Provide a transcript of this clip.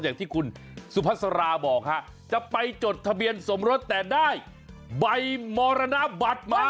อย่างที่คุณสุภาษาราบอกฮะจะไปจดทะเบียนสมรสแต่ได้ใบมรณบัตรมา